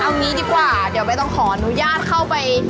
เอางี้ดีกว่าเดี๋ยวใบต้องขออนุญาตเข้าไป